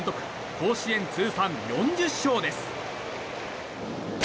甲子園通算４０勝です。